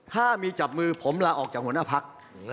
ถ้ามีจับมือผมลาออกจากหัวหน้าพัก